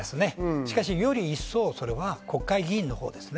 しかし、より一層それは国会議員のほうですね。